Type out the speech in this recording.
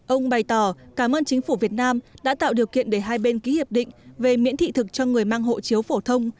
ông bày tỏ cảm ơn chính phủ việt nam đã tạo điều kiện để hai bên ký hiệp định về miễn thị thực cho người mang hộ chiếu phổ thông